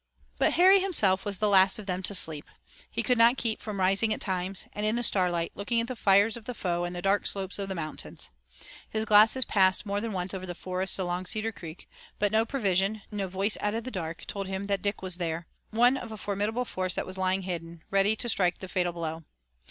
But Harry himself was the last of them to sleep. He could not keep from rising at times, and, in the starlight, looking at the fires of the foe and the dark slopes of the mountains. His glasses passed more than once over the forests along Cedar Creek, but no prevision, no voice out of the dark, told him that Dick was there, one of a formidable force that was lying hidden, ready to strike the fatal blow.